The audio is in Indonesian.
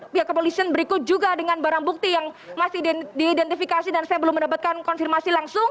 pihak kepolisian berikut juga dengan barang bukti yang masih diidentifikasi dan saya belum mendapatkan konfirmasi langsung